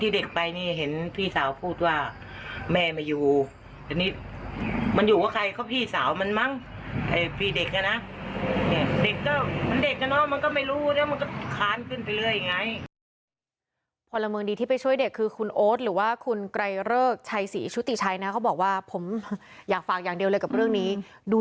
เด็กก็มันเด็กนะเนอะมันก็ไม่รู้